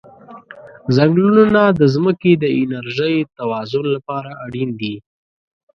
ځنګلونه د ځمکې د انرژی توازن لپاره اړین دي.